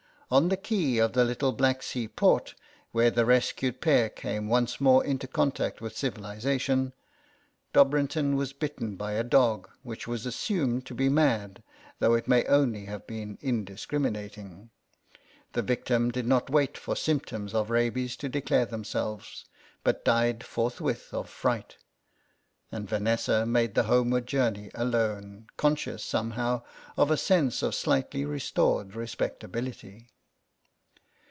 On the quay of the little Black Sea port, where the rescued pair came once more into contact with civilisation, Dobrinton was bitten by a dog which was assumed to be mad, though it may only have been indiscriminating. The victim did not wait for symptoms of rabies to declare them selves, but died forthwith of fright, and Vanessa made the homeward journey alone, conscious somehow of a sense of slightly restored respectability.